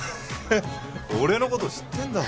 俺のこと知ってんだ。